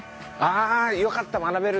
あよかった学べる。